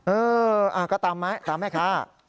เออก็ตามแม่ตามแม่คะ